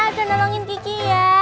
udah nolongin kiki ya